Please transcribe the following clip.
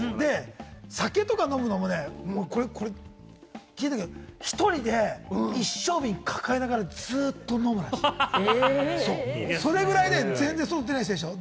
酒とか飲むのもね、聞いたことだけど、１人で一升瓶抱えながらずっと飲む、それぐらい全然外に出ないでしょ。